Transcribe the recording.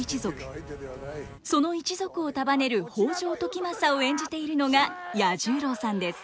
その一族を束ねる北条時政を演じているのが彌十郎さんです。